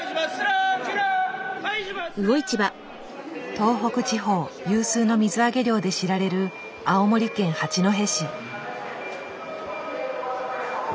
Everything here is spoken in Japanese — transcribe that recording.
東北地方有数の水揚げ量で知られる青森県八戸市。